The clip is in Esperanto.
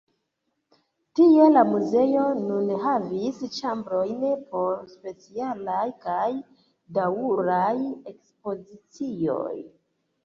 Tie la muzeo nun havis ĉambrojn por specialaj kaj daŭraj ekspozicioj.